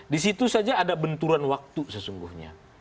di situ saja ada benturan waktu sesungguhnya